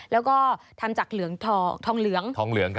แล้วก็ทำจากเหลืองทองเหลือง